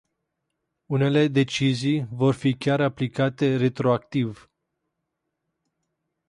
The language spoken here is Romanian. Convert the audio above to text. Unele decizii vor fi chiar aplicate retroactiv.